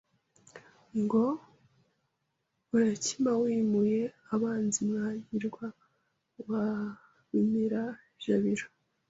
Ngo urakima wimuye abanzi Mwagirwa wa Bimira-jabiro